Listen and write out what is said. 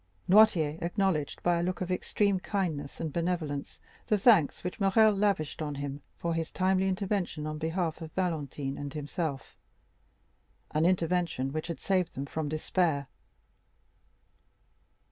Noirtier acknowledged by a look of extreme kindness and benevolence the thanks which Morrel lavished on him for his timely intervention on behalf of Valentine and himself—an intervention which had saved them from despair.